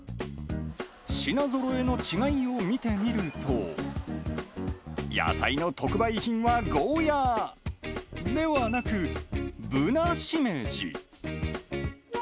品ぞろえの違いを見てみると、野菜の特売品はゴーヤではなく、ブナシメジ。